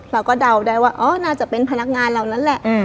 เราก็เดาได้ว่าน่าจะเป็นพนักงานเรานั่นแหละ